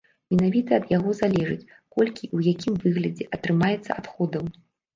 Менавіта ад яго залежыць, колькі і ў якім выглядзе атрымаецца адходаў.